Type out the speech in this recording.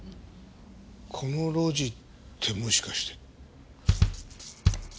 この路地ってもしかして。